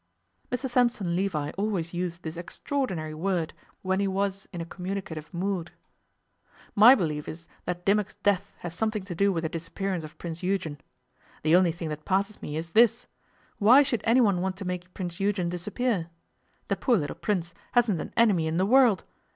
(Mr Sampson Levi always used this extraordinary word when he was in a communicative mood.) 'My belief is that Dimmock's death has something to do with the disappearance of Prince Eugen. The only thing that passes me is this: Why should anyone want to make Prince Eugen disappear? The poor little Prince hasn't an enemy in the world.